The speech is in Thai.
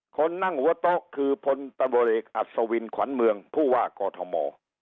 คนนั่งหัวโต๊ะคือพลตำรวจเอกอัศวินขวัญเมืองผู้ว่ากอทม